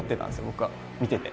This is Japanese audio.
僕は見てて。